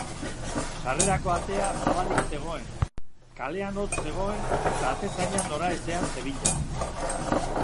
Sarrerako atea zabalik zegoen, kalean hotz zegoen eta atezaina noraezean zebilen.